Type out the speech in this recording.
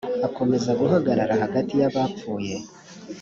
akomeza guhagarara hagati y’abapfuye